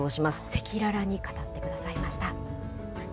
赤裸々に語ってくださいました。